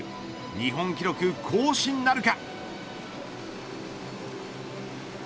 日本記録更新なるか。